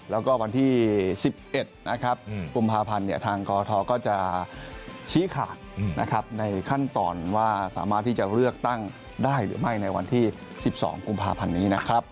แล้วก็วันที่๑๑นะครับกุมภาพันธ์ทางกทก็จะชี้ขาดนะครับในขั้นตอนว่าสามารถที่จะเลือกตั้งได้หรือไม่ในวันที่๑๒กุมภาพันธ์นี้นะครับ